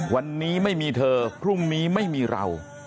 วันนี้ไม่มีเธอพรุ่งนี้ไม่มีเรา